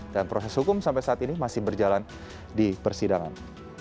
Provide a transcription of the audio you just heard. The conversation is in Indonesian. dan proses hukum sampai saat ini masih berjalan di persidangan